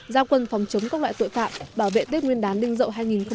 giao quân phòng chống các loại tội phạm bảo vệ tết nguyên đán đinh dậu hai nghìn hai mươi bốn